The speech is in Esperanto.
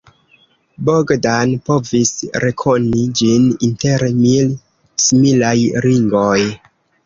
Bogdan povis rekoni ĝin inter mil similaj ringoj.